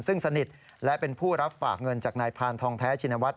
ซึ่งสนิทและเป็นผู้รับฝากเงินจากนายพานทองแท้ชินวัฒน